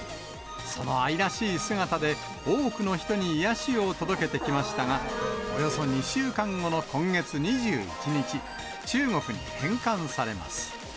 その愛らしい姿で、多くの人に癒やしを届けてきましたが、およそ２週間後の今月２１日、中国に返還されます。